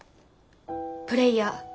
プレーヤー。